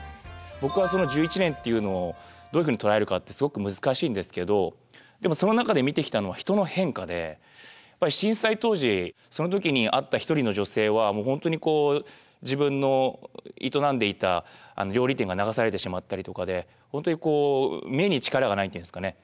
僕はその１１年というのをどういうふうに捉えるかってすごく難しいんですけどでもその中で見てきたのは人の変化で震災当時その時に会った一人の女性はもう本当に自分の営んでいた料理店が流されてしまったりとかで本当にこう目に力がないっていうんですかね。